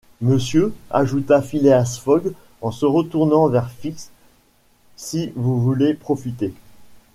Monsieur, ajouta Phileas Fogg en se retournant vers Fix, si vous voulez profiter. ..